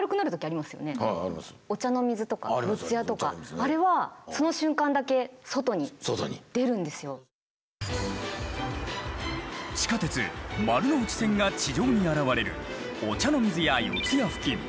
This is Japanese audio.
あれは地下鉄・丸ノ内線が地上に現れる御茶ノ水や四谷付近。